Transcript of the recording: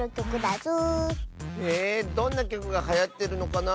へえどんなきょくがはやってるのかなあ。